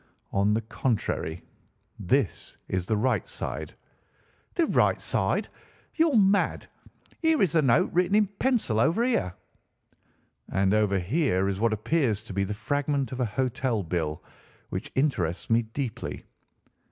"On the contrary, this is the right side." "The right side? You're mad! Here is the note written in pencil over here." "And over here is what appears to be the fragment of a hotel bill, which interests me deeply."